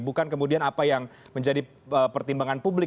bukan kemudian apa yang menjadi pertimbangan publik